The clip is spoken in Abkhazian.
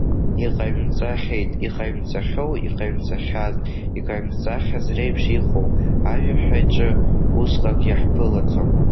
Иҟаимҵахьеит, иҟаимҵахьоу, иҟаимҵахьазт, иҟаимҵахьаз реиԥш иҟоу, ажәаҳәаҿы усҟак иаҳԥылаӡом.